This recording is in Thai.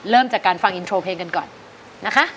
เริ่มจากการฟังอินโทรเพลงกันก่อนนะคะ